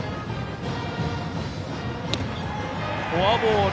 フォアボール。